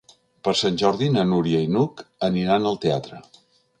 Per Sant Jordi na Núria i n'Hug aniran al teatre.